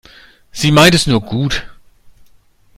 Sie meint es nur gut.